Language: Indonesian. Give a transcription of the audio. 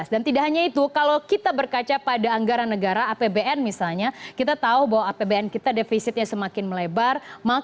dan tidak hanya itu kalau kita berkaca pada anggaran negara apbn misalnya kita tahu bahwa apbn kita defisitnya semakin melebar